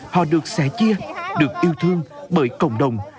họ được sẻ chia được yêu thương bởi cộng đồng